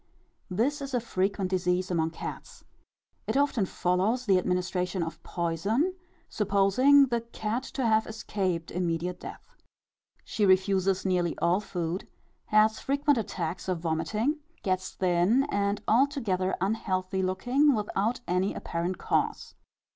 _ This is a frequent disease among cats. It often follows the administration of poison supposing the cat to have escaped immediate death. She refuses nearly all food, has frequent attacks of vomiting, gets thin and altogether unhealthy looking, without any apparent cause.